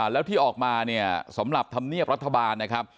แล้วที่ออกมาเนี่ยสำหรับธรรมเนียบรัฐบาลนะครับ